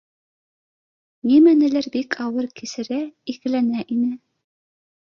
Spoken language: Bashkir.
Нимәнелер бик ауыр кисерә, икеләнә ине